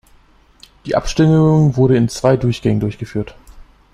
Die Abstimmung wurde in zwei Durchgängen durchgeführt.